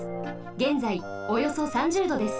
げんざいおよそ３０℃です。